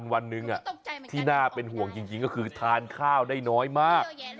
วันหนึ่งที่น่าเป็นห่วงจริงก็คือทานข้าวได้น้อยมาก